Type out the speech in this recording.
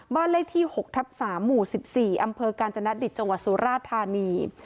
บ้านเลขที่๖ทับ๓หมู่๑๔อำเภอกาญจนดิตจังหวัดสุราธานี